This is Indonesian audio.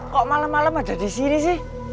kok malem malem ada di sini sih